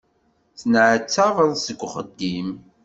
Tenneɛtabeḍ deg uxeddim.